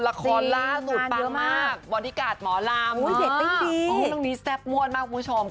ละครล่าสุดปังมากบอดี้การ์ดหมอลำโอ้ยเย็นติ้งดีโอ้ยตรงนี้แซ่บมวดมากคุณผู้ชม